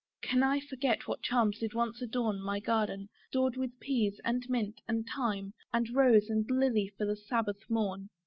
Can I forget what charms did once adorn My garden, stored with pease, and mint, and thyme, And rose and lilly for the sabbath morn?